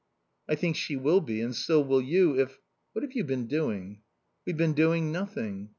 "I think she will be, and so will you if... What have you been doing?" "We've been doing nothing."